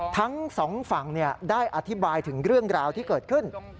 ทั้งสองฝั่งได้อธิบายถึงเรื่องราวที่เกิดขึ้น